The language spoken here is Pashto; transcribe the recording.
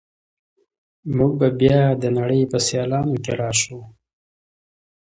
موږ به بیا د نړۍ په سیالانو کې راشو.